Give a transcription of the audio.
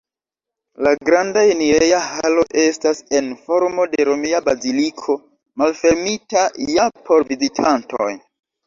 La granda enireja halo estas en formo de romia baziliko, malfermita ja por vizitantoj.